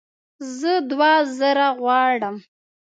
زه دوه زره غواړم